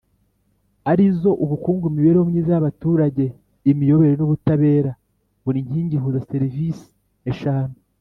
Arizo ubukungu imibereho myiza y abaturage imiyoborere n ubutabera buri nkingi ihuza serivisi eshanu